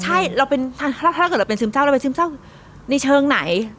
ใช่ถ้าเกิดเราเป็นซึมเศร้าเราไปซึมเศร้าในเชิงไหน